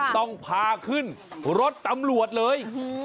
ต้องพาขึ้นรถตำรวจเลย